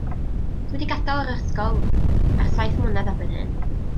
Dw i 'di gadael yr ysgol ers saith mlynedd erbyn hyn.